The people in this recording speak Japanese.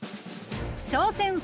挑戦